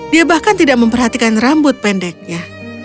dia bahkan tidak memperhatikan rambut pendeknya